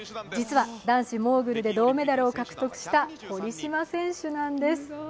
実は、男子モーグルで銅メダルを獲得した堀島選手なんです。